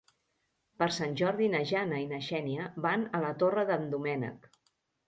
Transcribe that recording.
Per Sant Jordi na Jana i na Xènia van a la Torre d'en Doménec.